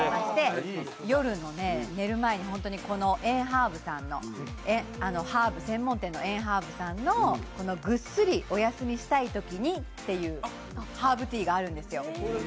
夜、寝る前にハーブ専門店のエンハーブさんの「ぐっすりおやすみしたい時に」っていうハーブティーがあるんですよ。